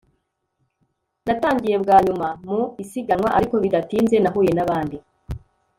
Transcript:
Natangiye bwa nyuma mu isiganwa ariko bidatinze nahuye nabandi